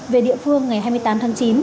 về địa phương ngày hai mươi tám tháng chín